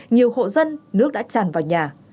nhiều hộ dân nước đã tràn vào nhà